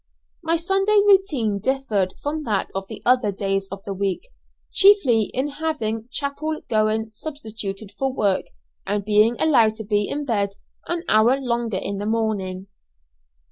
My Sunday routine differed from that of the other days of the week, chiefly in having chapel going substituted for work, and being allowed to be in bed an hour longer in the morning.